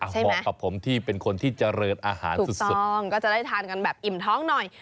เหมาะกับผมที่เป็นคนที่เจริญอาหารสุดถูกต้องก็จะได้ทานกันแบบอิ่มท้องหน่อย